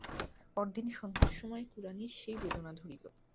পরদিন সন্ধ্যার সময় কুড়ানির সেই বেদনা ধরিল।